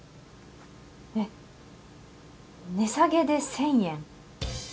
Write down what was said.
え、値下げで１０００円。